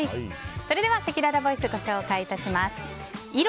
それでは、せきららボイスをご紹介します。